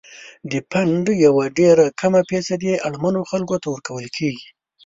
د فنډ یوه ډیره کمه فیصدي اړمنو خلکو ته ورکول کیږي.